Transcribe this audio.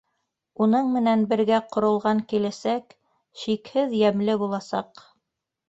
Уның менән бергә ҡоролған киләсәк... шикһеҙ йәмле буласаҡ...